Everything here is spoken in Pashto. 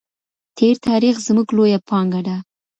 تېر تاریخ زموږ لویه پانګه ده.